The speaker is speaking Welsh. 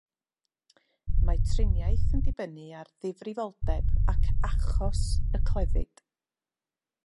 Mae triniaeth yn dibynnu ar ddifrifoldeb ac achos y clefyd.